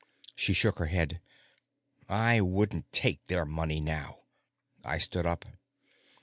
She shook her head. "I wouldn't take their money now." I stood up.